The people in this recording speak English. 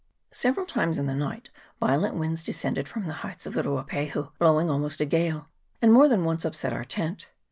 Several times in the night violent winds descended from the heights of the Ruapahu, blowing almost a gale, and more than once upset our tent.